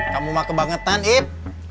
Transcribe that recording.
kamu mah kebangetan ip